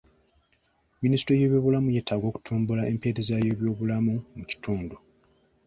Minisitule y'ebyobulamu yeetaaga okutumbula empeereza y'ebyobulamu mu kitundu.